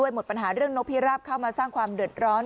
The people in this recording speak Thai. หมดปัญหาเรื่องนกพิราบเข้ามาสร้างความเดือดร้อน